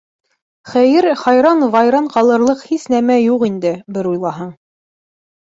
Хәйер, хайран-вайран ҡалырлыҡ һис нәмә юҡ инде, бер уйлаһаң.